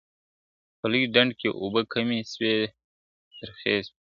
په لوی ډنډ کي اوبه کمي سوې ترخې سوې ,